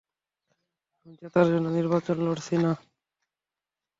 আমি জেতার জন্য নির্বাচন লড়ছি না।